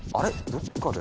どっかで。